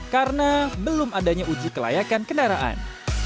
karena belum adanya uji kelayakan kendaraan